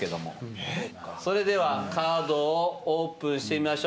それではカードをオープンしてみましょう。